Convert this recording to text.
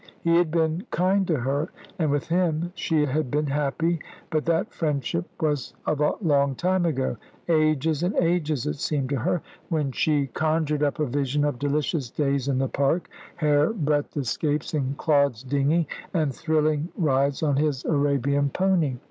He had been kind to her, and with him she had been happy; but that friendship was of a long time ago ages and ages, it seemed to her, when she conjured up a vision of delicious days in the Park, hairbreadth escapes in Claude's dinghy, and thrilling rides on his Arabian pony.